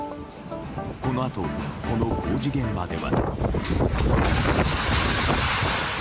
このあと、この工事現場では。